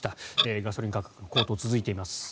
ガソリン価格高騰が続いています。